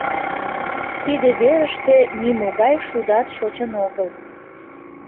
Тиде верыште нимогай шудат шочын огыл.